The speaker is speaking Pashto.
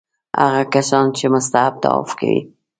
هغه کسان چې مستحب طواف کوي.